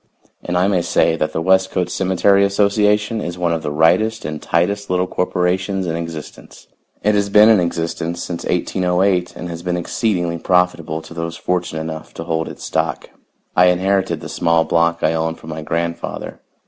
And I may say that the Westcote Cemetery Association is one of the rightest and tightest little corporations in existence. It has been in existence since 1808 and has been exceedingly profitable to those fortunate enough to hold its stock. I inherited the small block I own from my grandfather.